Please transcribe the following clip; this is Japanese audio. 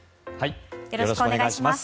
よろしくお願いします。